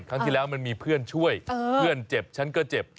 ครั้งที่แล้วมันมีเพื่อนช่วยเพื่อนเจ็บฉันก็เจ็บ